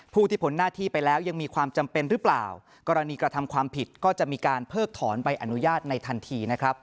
ผู้ที่ผลหน้าที่ไปแล้วยังมีความจำเป็นหรือเปล่ากรณีกระทำความผิดก็จะมีการเพิกถอนใบอนุญาตในทันทีนะครับ